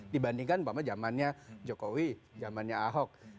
dibandingkan mbak ma zamannya jokowi zamannya ahok